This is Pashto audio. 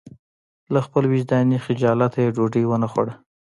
له خپل وجداني خجالته یې ډوډۍ ونه خوړه.